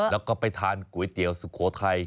แล้วก็ไปทานก๋วยเตี๋ยวสุโขทัย